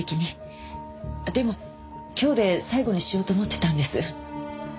でも今日で最後にしようと思ってたんです。